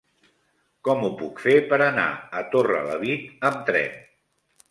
Com ho puc fer per anar a Torrelavit amb tren?